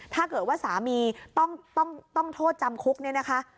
ถ้าเกิดว่าสามีต้องโทษจำคุกเนี่ยนะคะ